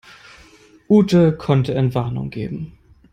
Ute konnte Entwarnung geben.